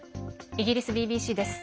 イギリスＢＢＣです。